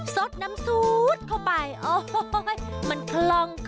สดน้ำซูดเข้าไปโอ้โหมันคล่อง